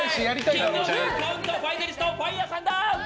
「キングオブコント」ファイナリストファイヤーサンダー！